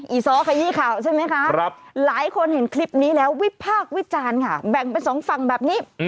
อซ้อขยี้ข่าวใช่ไหมคะหลายคนเห็นคลิปนี้แล้ววิพากษ์วิจารณ์ค่ะแบ่งเป็นสองฝั่งแบบนี้